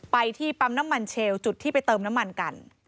ไปที่ปั๊มน้ำมันเชลจุดที่ไปเติมน้ำมันกัน